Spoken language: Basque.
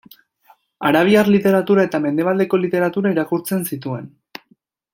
Arabiar literatura eta Mendebaldeko literatura irakurtzen zituen.